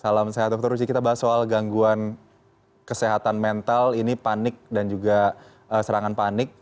salam sehat dr uci kita bahas soal gangguan kesehatan mental ini panik dan juga serangan panik